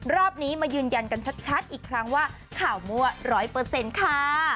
รอบนี้มายืนยันกันชัดอีกครั้งว่าข่าวมั่วร้อยเปอร์เซ็นต์ค่ะ